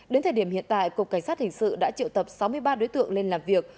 đến thời điểm hiện tại cục cảnh sát hình sự đã triệu tập sáu mươi ba đối tượng lên làm việc